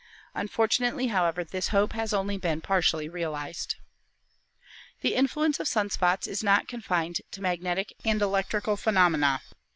Unfortunately, however, this hope has been only partially realized." The influence of sun spots is not confined to magnetic and electrical phenomena.